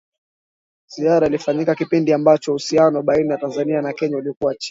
Ziara ilifanyika kipindi ambacho uhusiano baina ya Tanzania na Kenya ulikuwa chini